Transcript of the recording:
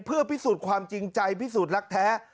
เพื่อพิสูจน์ความจริงใจพิสูจน์รักแท้